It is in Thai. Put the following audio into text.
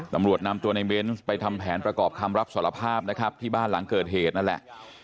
ตำรวจนำตัวในเบนส์ไปทำแผนประกอบคำรับสารภาพนะครับที่บ้านหลังเกิดเหตุนั่นแหละ